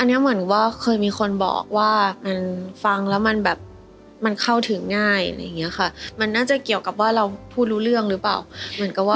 อันนี้เหมือนว่าเคยมีคนบอกว่ามันฟังแล้วมันแบบมันเข้าถึงง่ายอะไรอย่างเงี้ยค่ะมันน่าจะเกี่ยวกับว่าเราพูดรู้เรื่องหรือเปล่าเหมือนกับว่า